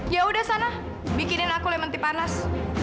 yaudah sana bikinin aku lementi panas